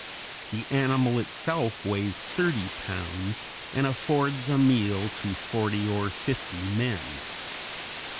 The animal itself weighs thirty pounds, and affords a meal to forty or fifty men.